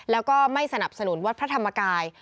แล้วก็ไม่สนับสนุนวัดพระธรรมกาย